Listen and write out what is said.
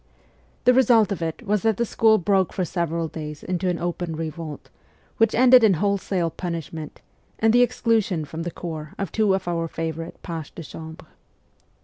The result of it was that the school broke for several days into an open revolt, which ended in wholesale punishment, and the exclusion from the corps of two of our favourite pages de chambre.